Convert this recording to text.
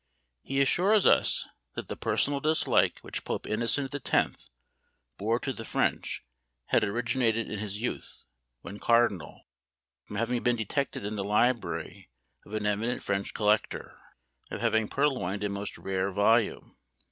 He assures us that the personal dislike which Pope Innocent X. bore to the French had originated in his youth, when cardinal, from having been detected in the library of an eminent French collector, of having purloined a most rare volume.